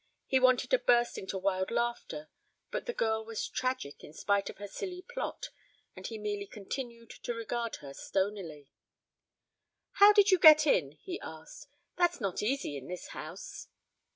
He wanted to burst into wild laughter, but the girl was tragic in spite of her silly plot and he merely continued to regard her stonily. "How did you get in?" he asked. "That's not easy in this house."